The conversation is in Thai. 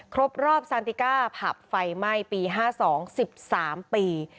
ครบรอบซานติก้าผับไฟไหม้ปี๕๒๑๓ปี